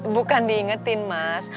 bukan diingetin mas